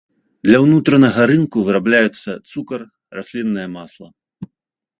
Для ўнутранага рынку вырабляюцца цукар, расліннае масла.